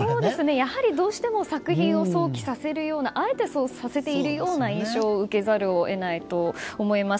やはりどうしても作品を想起させるようなあえてそうさせているような印象を受けざるを得ないと思います。